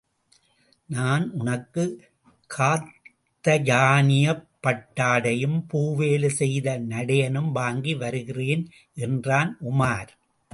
நான் உனக்கு காத்தயானியப் பட்டாடையும், பூ வேலை செய்த நடையனும் வாங்கி வருகிறேன் என்றான் உமார்.